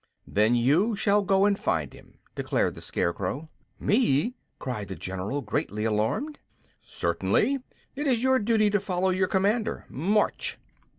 "Then you shall go and find him," declared the Scarecrow. "Me!" cried the general, greatly alarmed. "Certainly. It is your duty to follow your commander. March!"